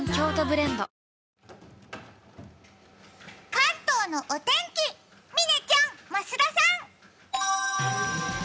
関東のお天気、嶺ちゃん、増田さん。